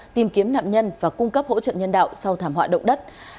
tìm kiếm nạn nhân và cung cấp hỗ trợ nhân đạo sau thảm họa động đất